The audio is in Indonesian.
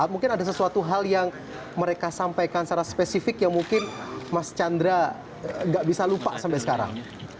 mungkin ada sesuatu hal yang mereka sampaikan secara spesifik yang mungkin mas chandra nggak bisa lupa sampai sekarang